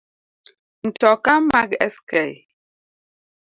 Mtoka mag sk